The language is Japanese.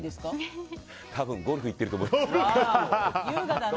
多分、ゴルフ行っていると思います。